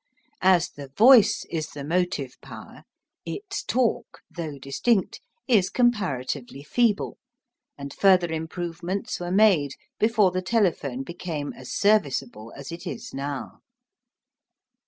As the voice is the motive power, its talk, though distinct, is comparatively feeble, and further improvements were made before the telephone became as serviceable as it is now.